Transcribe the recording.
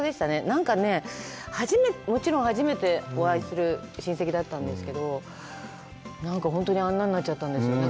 何かね、もちろん初めてお会いする親戚だったんですけど、本当にあんなんになっちゃったんですよ。